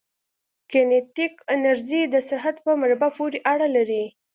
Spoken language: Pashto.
کینیتیک انرژي د سرعت په مربع پورې اړه لري.